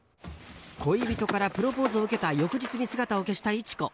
恋人からプロポーズを受けた翌日に姿を消した市子。